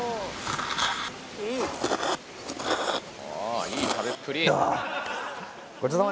ああいい食べっぷり！